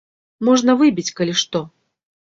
Можна выбіць, калі што.